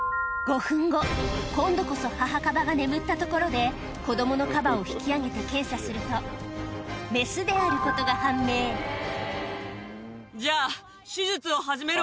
今度こそ母カバが眠ったところで子供のカバを引き上げて検査するとメスであることが判明じゃあ。